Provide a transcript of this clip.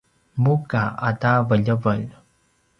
muka ata veljevelj